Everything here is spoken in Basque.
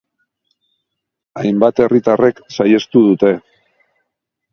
Hainbat herritarrek saihestu dute.